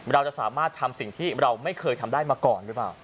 เราจะสามารถทำสิ่งที่เราไม่เคยทำได้มาก่อนหรือเปล่า